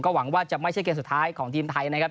หวังว่าจะไม่ใช่เกมสุดท้ายของทีมไทยนะครับ